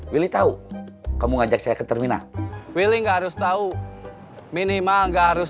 willy tahu kamu ngajak saya ke terminal willy nggak harus tahu minimal nggak harus